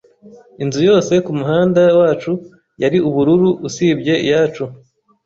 Inzu yose kumuhanda wacu yari ubururu usibye iyacu.